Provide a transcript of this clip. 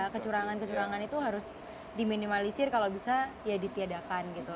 kecurangan kecurangan itu harus diminimalisir kalau bisa ya ditiadakan gitu